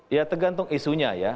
ya tergantung isunya ya